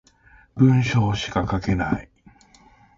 文章しか書けない